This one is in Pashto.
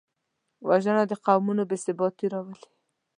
وژنه د قومونو بېثباتي راولي